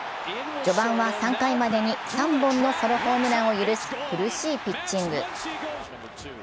序盤は３回までに３本のソロホームランを許し苦しいピッチング。